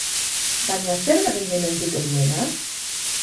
Baina zer da gehien entzuten duena?